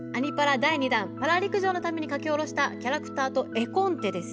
第２弾「パラ陸上」のために描き下ろしたキャラクターと絵コンテです。